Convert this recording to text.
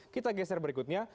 kita geser berikutnya